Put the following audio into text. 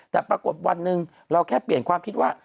แต่ปรากฏวันหนึ่งเราแค่เปลี่ยนความคิดว่า